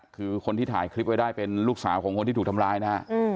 คือคนที่ถ่ายคลิปไว้ได้เป็นลูกสาวของคนที่ถูกทำร้ายนะฮะ